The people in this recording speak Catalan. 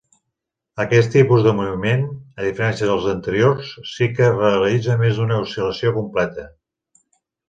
Aquest tipus de moviment, a diferència dels anteriors, sí que realitza més d'una oscil·lació completa.